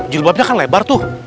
jilbabnya kan lebar tuh